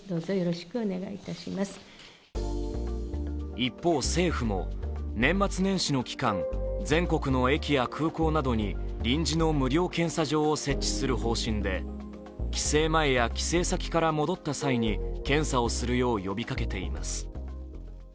一方、政府も年末年始の期間、全国の駅や空港などに臨時の無料検査場を設置する方針で帰省前や帰省先から戻った際に検査をするよう呼びかけています。